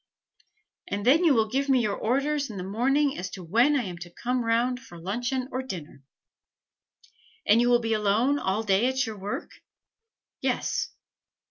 And then you will give me your orders in the morning as to when I am to come round for luncheon or dinner." "And you will be alone all day at your work?" "Yes."